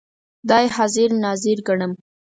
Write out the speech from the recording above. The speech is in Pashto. خدای حاضر ناظر ګڼم.